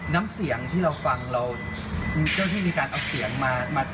น้ำเสียงที่เราฟังเราเจ้าที่มีการเอาเสียงมา